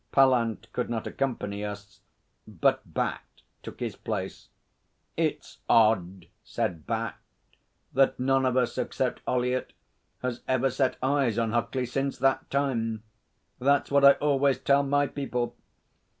Pallant could not accompany us, but Bat took his place. 'It's odd,' said Bat, 'that none of us except Ollyett has ever set eyes on Huckley since that time. That's what I always tell My people.